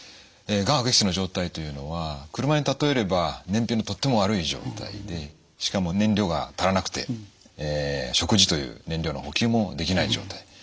がん悪液質の状態というのは車に例えれば燃費のとっても悪い状態でしかも燃料が足らなくて食事という燃料の補給もできない状態。